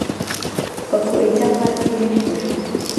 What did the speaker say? پۀ کوئټه ښار کښې ميشته شو،